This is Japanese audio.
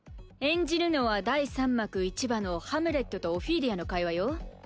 演じるのは第三幕一場のハムレットとオフィーリアの会話よ。